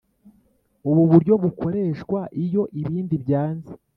Ubu buryo bukoreshwa iyo ibindi byanze